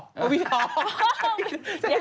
เดี๋ยวพูดอีกนิด